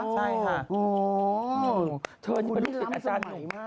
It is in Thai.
เธอนี่เป็นลูกศิษย์อาจารย์หนุ่ม